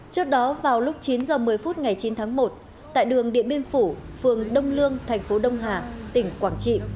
trước đó vào lúc chín h một mươi phút ngày chín tháng một tại đường điện biên phủ phường đông lương thành phố đông hà tỉnh quảng trị